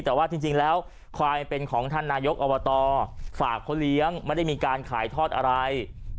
แต่ว่าจริงแล้วควายเป็นของท่านนายกอบตฝากเขาเลี้ยงไม่ได้มีการขายทอดอะไร